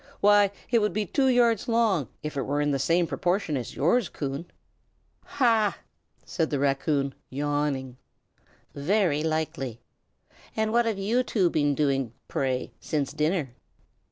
Why, it would be two yards long, if it were in the same proportion as yours, Coon!" "Hah!" said the raccoon, yawning, "very likely. And what have you two been doing, pray, since dinner?"